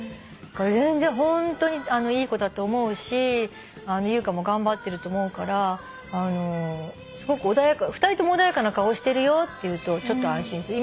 全然ホントにいい子だと思うし優香も頑張ってると思うから２人とも穏やかな顔してるよって言うとちょっと安心する。